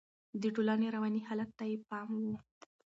د ټولنې رواني حالت ته يې پام و.